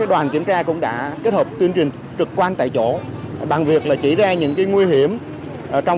đoàn kiểm tra cũng đã kết hợp tuyên truyền trực quan tại chỗ bằng việc chỉ ra những nguy hiểm trong